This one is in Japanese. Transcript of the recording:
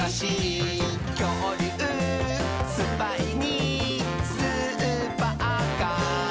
「きょうりゅうスパイにスーパーカー？」